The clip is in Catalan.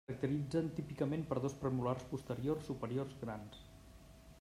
Es caracteritzen típicament per dos premolars posteriors superiors grans.